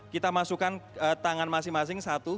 kita masukkan tangan masing masing satu